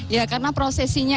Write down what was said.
ya karena prosesinya